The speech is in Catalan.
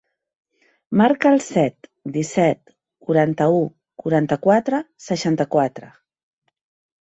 Marca el set, disset, quaranta-u, quaranta-quatre, seixanta-quatre.